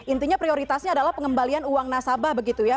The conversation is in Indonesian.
intinya prioritasnya adalah pengembalian uang nasabah